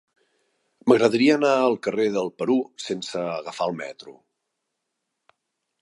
M'agradaria anar al carrer del Perú sense agafar el metro.